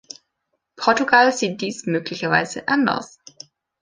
Portugal sieht dies möglicherweise anders.